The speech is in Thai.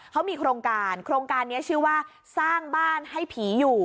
เขามีโครงการโครงการนี้ชื่อว่าสร้างบ้านให้ผีอยู่